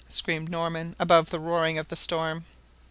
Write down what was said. screamed Norman above the roaring of the storm.